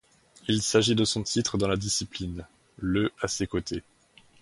Il s'agit de son titre dans la discipline, le à ses côtés.